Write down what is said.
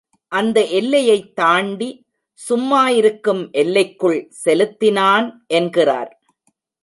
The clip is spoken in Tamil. அந்த எல்லையைத் தாண்டி, சும்மா இருக்கும் எல்லைக்குள் செலுத்தினான் என்கிறார்.